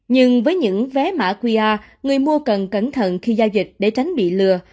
nhưng với những vé mạ qia người mua cần cẩn thận khi giao dịch để tránh bị lừa